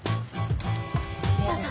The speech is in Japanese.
どうぞ。